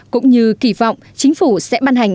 cũng như kỳ vọng chính phủ sẽ ban hành